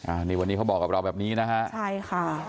อันนี้วันนี้เขาบอกกับเราแบบนี้นะฮะใช่ค่ะ